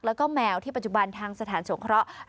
แล้วก็แมวที่ปัจจุบันทางสถานสงเคราะห์